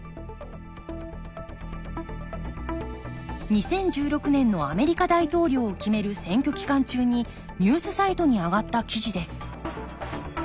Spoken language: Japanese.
２０１６年のアメリカ大統領を決める選挙期間中にニュースサイトに上がった記事です